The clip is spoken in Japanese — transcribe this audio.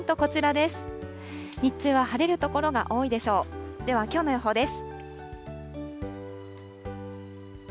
ではきょうの予報です。